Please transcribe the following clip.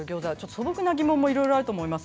素朴な疑問もいろいろあると思います。